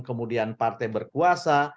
kemudian partai berkuasa